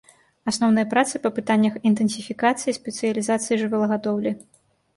Асноўныя працы па пытаннях інтэнсіфікацыі і спецыялізацыі жывёлагадоўлі.